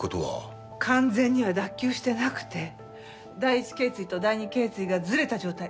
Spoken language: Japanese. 完全には脱臼してなくて第一頸椎と第二頸椎がずれた状態。